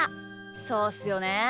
そうっすよね。